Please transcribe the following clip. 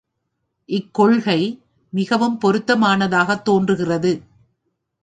இக்கொள்கை மிகவும் பொருத்தமானதாகத் தோன்றுகிறது.